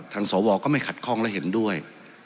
ทางสวคำก็ไม่ขัดคล่องและเห็นด้วย